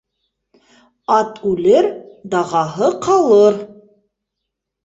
Ат үлер, дағаһы ҡалыр